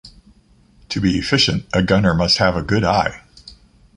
To be efficient a gunner must have a good eye.